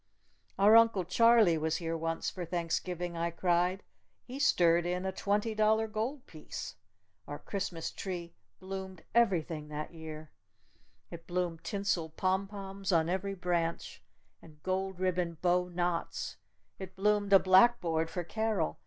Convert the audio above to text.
"Our uncle Charlie was here once for Thanksgiving," I cried. "He stirred in a twenty dollar gold piece. Our Christmas tree bloomed everything that year! It bloomed tinsel pompons on every branch! And gold ribbon bow knots! It bloomed a blackboard for Carol!